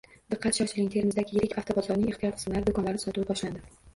Diqqat, shoshiling! Termizdagi yirik avtobozorning ehtiyot qismlari do‘konlari sotuvi boshlandi